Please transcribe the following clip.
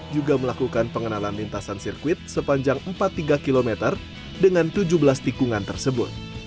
juga melakukan pengenalan lintasan sirkuit sepanjang empat tiga km dengan tujuh belas tikungan tersebut